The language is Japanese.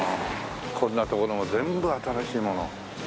こんな所も全部新しいもの。